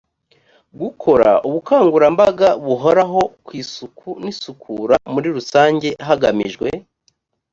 gukora ubukangurambaga buhoraho ku isuku n isukura muri rusange hagamijwe